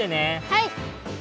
はい！